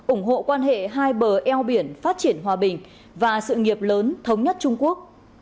ủng hộ quan hệ hai bờ eo biển phát triển hòa bình và sự nghiệp lớn thống nhất trung quốc